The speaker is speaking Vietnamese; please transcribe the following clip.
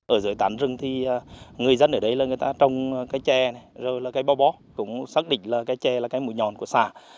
ở dưới tán rừng thì người dân ở đấy là người ta trồng cái chè rồi là cái bao bó cũng xác định là cái chè là cái mùi nhòn của xà